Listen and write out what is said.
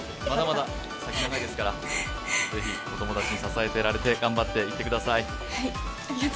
まだまだ先が長いですから、ぜひお友達に支えられて頑張っていってください。